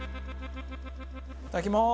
いただきます。